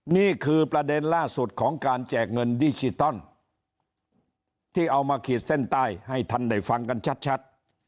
นี่คือประเด็นล่าสุดของการแจกเงินดิจิตอลที่เอามาขีดเส้นใต้ให้ท่านได้ฟังกันชัด